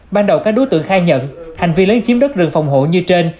ban đầu các đối tượng khai nhận hành vi lấn chiếm đất rừng phòng hộ như trên